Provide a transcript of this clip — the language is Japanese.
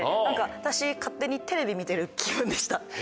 私勝手にテレビ見てる気分でした。